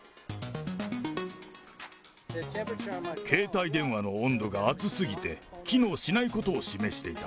携帯電話の温度が熱すぎて、機能しないことを示していた。